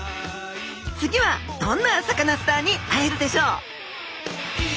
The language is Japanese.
次はどんなサカナスターに会えるでしょう？